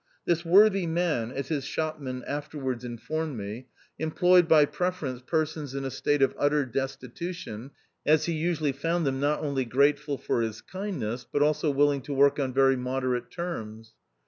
This worthy man, as his shopman afterwards informed me, employed by preference persons in a state of utter destitution, as he usually found them not only grateful for his kindness, but also willing to work ou very moderate terms.